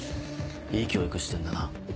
いい教育してんだな。